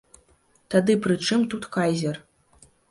Тады пры чым тут кайзер?